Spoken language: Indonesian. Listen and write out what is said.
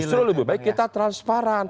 justru lebih baik kita transparan